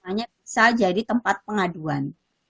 bisa jadi tempat pengaduan